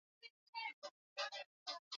Uchumi wa Uturuki kwa sasa unaongezeka na ni